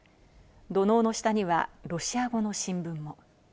土のうの下にはロシア語の新聞も。